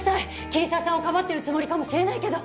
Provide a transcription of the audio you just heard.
桐沢さんをかばってるつもりかもしれないけど。